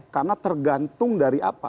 karena tergantung dari apa